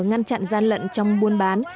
ngăn chặn gian lận trong buôn bán